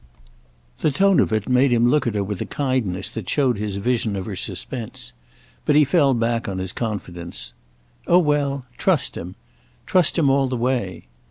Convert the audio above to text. The tone of it made him look at her with a kindness that showed his vision of her suspense. But he fell back on his confidence. "Oh well—trust him. Trust him all the way."